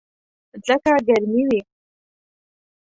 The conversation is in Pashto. ځکه ګرمي وي.